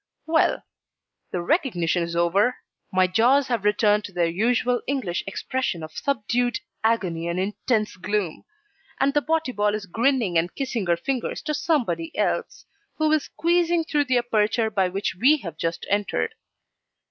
Well; the recognition is over my jaws have returned to their usual English expression of subdued agony and intense gloom, and the Botibol is grinning and kissing her fingers to somebody else, who is squeezing through the aperture by which we have just entered.